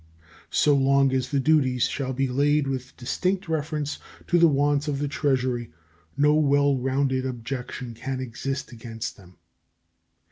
So long as the duties shall be laid with distinct reference to the wants of the Treasury no well rounded objection can exist against them.